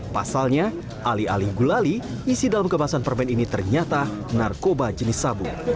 pasalnya alih alih gulali isi dalam kemasan permen ini ternyata narkoba jenis sabu